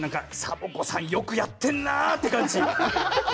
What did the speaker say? サボ子さんよくやってんな！って感じ。